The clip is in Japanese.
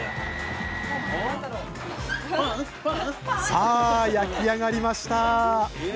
さあ焼き上がりました。